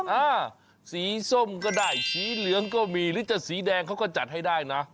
อ่าสีส้มก็ได้สีเหลืองก็มีหรือจะสีแดงเขาก็จัดให้ได้นะ